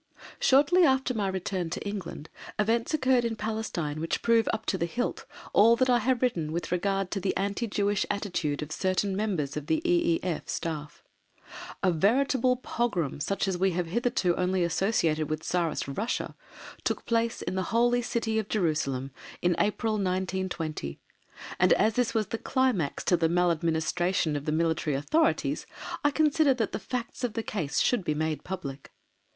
Shortly after my return to England events occurred in Palestine which prove up to the hilt all that I have written with regard to the anti Jewish attitude of certain members of the E.E.F. Staff. A veritable "pogrom," such as we have hitherto only associated with Tsarist Russia, took place in the Holy City of Jerusalem in April, 1920, and as this was the climax to the maladministration of the Military Authorities, I consider that the facts of the case should be made public.